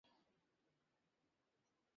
আমাদেরকে বাইরে যেতে নিষেধ করল।